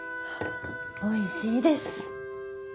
おいしいです。